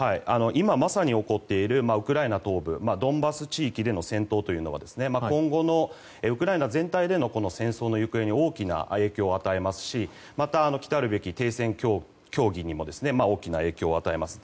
今まさに起こっているウクライナ東部ドンバス地域での戦闘は今後のウクライナ全体での戦争の行方に大きな影響を与えますし来るべき停戦協議にも大きな影響を与えます。